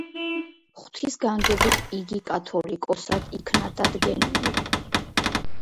ღვთის განგებით იგი კათოლიკოსად იქნა დადგენილი.